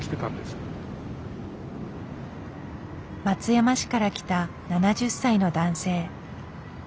松山市から来た７０歳の男性。